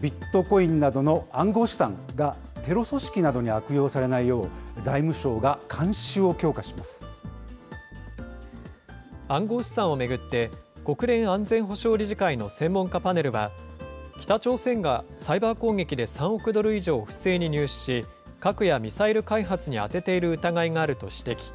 ビットコインなどの暗号資産が、テロ組織などに悪用されないよう、暗号資産を巡って、国連安全保障理事会の専門家パネルは、北朝鮮がサイバー攻撃で３億ドル以上を不正に入手し、核やミサイル開発に充てている疑いがあると指摘。